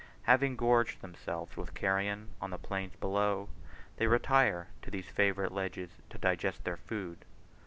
Having gorged themselves with carrion on the plains below, they retire to these favourite ledges to digest their food.